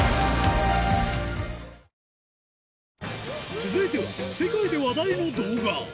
続いては、世界で話題の動画。